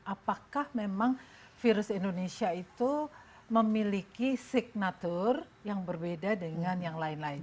apakah memang virus indonesia itu memiliki signatur yang berbeda dengan yang lain lain